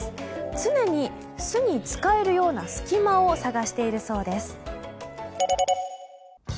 常に巣に使えるような隙間を探しているそうです。